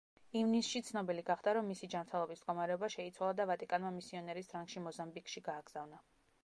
ივნისში ცნობილი გახდა, რომ მისი ჯანმრთელობის მდგომარეობა შეიცვალა და ვატიკანმა მისიონერის რანგში მოზამბიკში გააგზავნა.